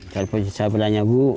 kita putih cabelanya bu